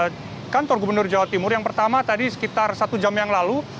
kami akan melakukan dari kantor gubernur jawa timur yang pertama tadi sekitar satu jam yang lalu